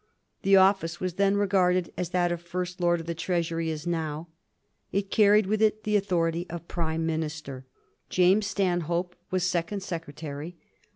The ofiice was then regarded as that of First Lord of the Treasury is now : it carried with it the authority of Prime Minister. James Stanhope was Second Secretary.